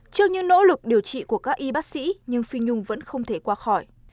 trước những nỗ lực điều trị của các y bác sĩ nhưng phi nhung vẫn không thể qua khỏi